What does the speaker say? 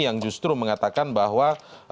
yang justru mengatakan bahwa